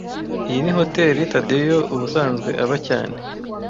Iyi ni hoteri Tadeyo ubusanzwe aba cyane